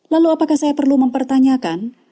lalu apakah saya perlu mempertanyakan